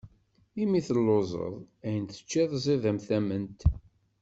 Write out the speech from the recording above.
Imi telluẓeḍ ayen teččiḍ ẓid am tamment.